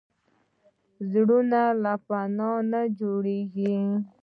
زړونه له وفا نه جوړېږي.